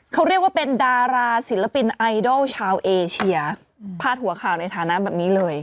เขาเรียกว่าเป็นดาราศิลปินไอดอลชาวเอเชียพาดหัวข่าวในฐานะแบบนี้เลย